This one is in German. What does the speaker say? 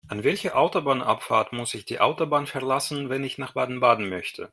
An welcher Autobahnabfahrt muss ich die Autobahn verlassen, wenn ich nach Baden-Baden möchte?